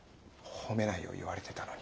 褒めないよう言われてたのに。